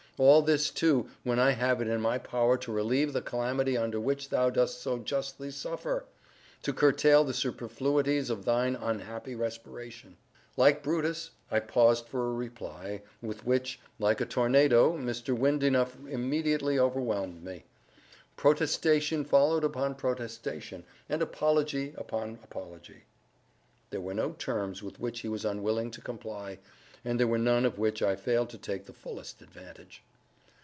—all this, too, when I have it in my power to relieve the calamity under which thou dost so justly suffer—to curtail the superfluities of thine unhappy respiration." Like Brutus, I paused for a reply—with which, like a tornado, Mr. Windenough immediately overwhelmed me. Protestation followed upon protestation, and apology upon apology. There were no terms with which he was unwilling to comply, and there were none of which I failed to take the fullest advantage.